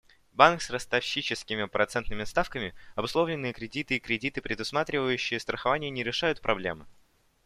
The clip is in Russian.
Банк с ростовщическими процентными ставками, обусловленные кредиты и кредиты, предусматривающие страхование, не решают проблемы.